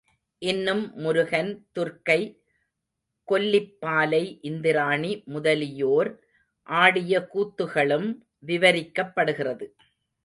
இன்னும் முருகன், துர்க்கை, கொல்லிப் பாலை, இந்திராணி முதலியோர் ஆடிய கூத்துகளும் விவரிக்கப்படுகிறது.